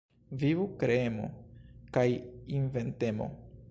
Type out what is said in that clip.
Vivu kreemo kaj inventemo.